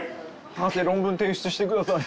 博士論文提出してください。